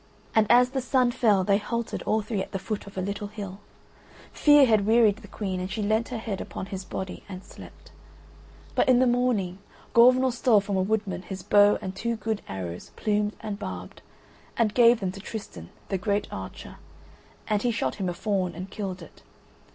And as the sun fell they halted all three at the foot of a little hill: fear had wearied the Queen, and she leant her head upon his body and slept. But in the morning, Gorvenal stole from a wood man his bow and two good arrows plumed and barbed, and gave them to Tristan, the great archer, and he shot him a fawn and killed it.